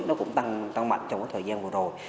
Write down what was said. nó cũng tăng mạnh trong thời gian vừa rồi